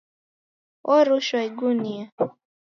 Orushwa igunia